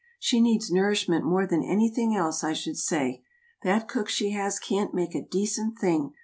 "She needs nourishment more than anything else, I should say. That cook she has can't make a decent thing.